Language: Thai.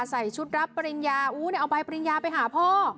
ใส่ชุดรับปริญญาอู๋เอาใบปริญญาไปหาพ่อ